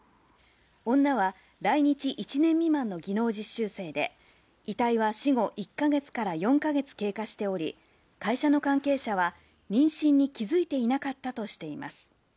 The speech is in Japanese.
女は来日１年未満の技能実習生で、遺体は死後１か月から４か月経過しており、会社の関係者は妊娠に気づいていなかったとしています。